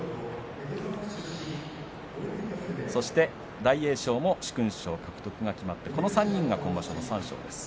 そして大栄翔も殊勲賞獲得が決まってこの３人が今場所の三賞です。